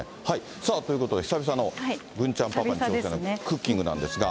さあ、ということで、久々の郡ちゃんパパのクッキングなんですが。